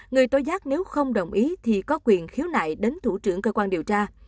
người tố giác nếu không đồng ý thì có quyền khiếu nại đến thủ trưởng cơ quan điều tra